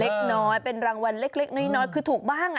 เล็กน้อยเป็นรางวัลเล็กน้อยคือถูกบ้าง